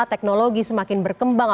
teknologi semakin berkembang